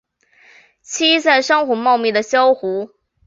栖息在珊瑚茂密的礁湖。